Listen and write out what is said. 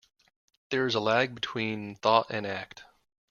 There is a lag between thought and act.